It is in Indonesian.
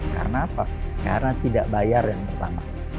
karena apa karena tidak bayar yang pertama